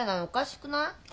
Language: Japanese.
おかしくない？